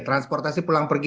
transportasi pulang pergi